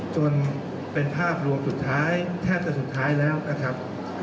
จนเป็นภาพรวมสุดท้ายแทบจะสุดท้ายแล้วนะครับ